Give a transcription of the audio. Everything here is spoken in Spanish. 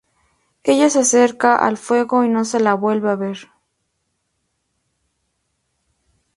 Ella se acerca al fuego y no se la vuelve a ver.